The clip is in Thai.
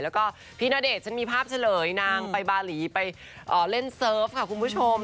แล้วก็พี่ณเดชน์ฉันมีภาพเฉลยนางไปบาหลีไปเล่นเซิร์ฟค่ะคุณผู้ชม